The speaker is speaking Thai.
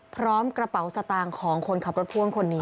พร้อมกระเป๋าสตางค์ของคนขับรถพ่วงคนนี้